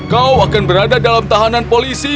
kau akan berada dalam tahanan polisi